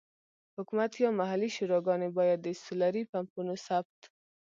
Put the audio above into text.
حکومت یا محلي شوراګانې باید د سولري پمپونو ثبت.